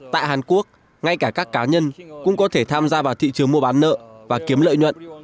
tại hàn quốc ngay cả các cá nhân cũng có thể tham gia vào thị trường mua bán nợ và kiếm lợi nhuận